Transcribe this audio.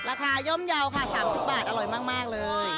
ราคาย่มเยาค่ะ๓๐บาทอร่อยมากเลย